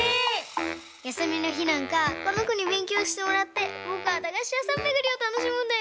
やすみのひなんかこのこにべんきょうしてもらってぼくはだがしやさんめぐりをたのしむんだよ！